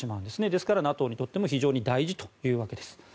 ですからＮＡＴＯにとっても非常に大事というわけです。